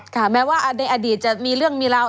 แม้ว่าในอดีตจะมีเรื่องมีราว